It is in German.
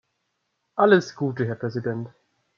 Alles Gute, Herr Präsident!